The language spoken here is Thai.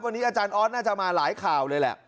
วันนี้อาจารย์ออสน่าจะมาหลายข่าวเลยแหละ